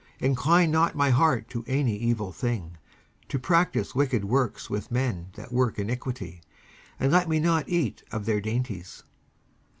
19:141:004 Incline not my heart to any evil thing, to practise wicked works with men that work iniquity: and let me not eat of their dainties.